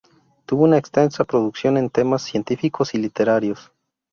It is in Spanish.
Tuvo una extensa producción en temas científicos y literarios.